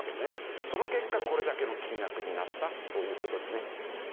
その結果これだけの金額になったという事ですね。